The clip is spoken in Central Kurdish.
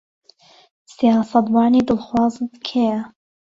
سیاسەتوانی دڵخوازت کێیە؟